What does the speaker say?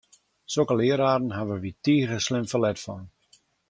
Sokke leararen hawwe wy tige slim ferlet fan!